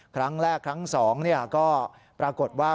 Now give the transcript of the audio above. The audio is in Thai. ครั้งแรกครั้ง๒ก็ปรากฏว่า